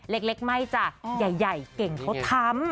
เล็กไม่จ้ะใหญ่เก่งเขาทำ